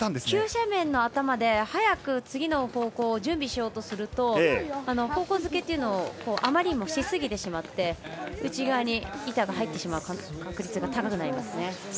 急斜面の頭で、早く次の方向を準備しようとすると方向付けというのをあまりにもしすぎてしまって内側に板が入ってしまう確率が高くなりますね。